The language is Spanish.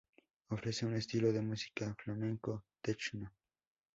Ofrece un estilo de música "Flamenco-Techno".